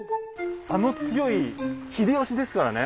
あの強い秀吉ですからね。